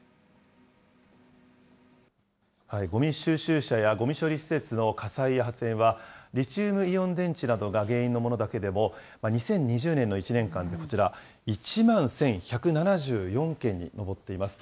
ごみ収集車やごみ処理施設の火災や発煙は、リチウムイオン電池が原因のものだけでも、２０２０年の１年間でこちら、１万１１７４件に上っています。